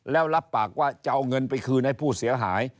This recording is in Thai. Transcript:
แล้วรับปากว่าจะเอาเงินไปคืนให้ผู้เสียหาย